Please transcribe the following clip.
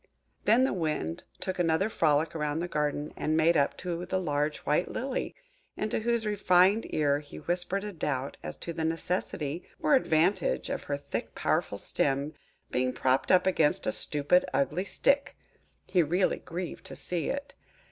Then the Wind took another frolic round the garden, and made up to the large white Lily, into whose refined ear he whispered a doubt as to the necessity or advantage of her thick powerful stem being propped up against a stupid, ugly stick! He really grieved to see it!